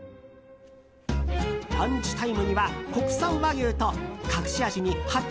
ランチタイムには、国産和牛と隠し味に八丁